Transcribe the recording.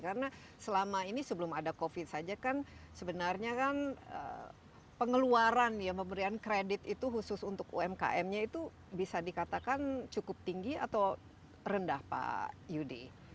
karena selama ini sebelum ada covid saja kan sebenarnya kan pengeluaran ya pemberian kredit itu khusus untuk umkm nya itu bisa dikatakan cukup tinggi atau rendah pak yudi